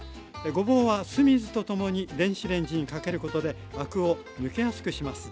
ごぼうは酢水とともに電子レンジにかけることでアクを抜けやすくします。